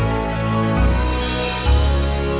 tadi jangan lepaskanaffle